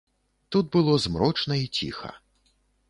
Тут было змрочна і ціха.